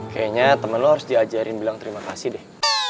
kayaknya temen lo harus diajarin bilang terima kasih deh